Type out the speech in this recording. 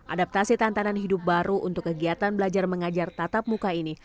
adaptasi tantanan hidup baru untuk kegiatan belajar mengajar tatap muka ini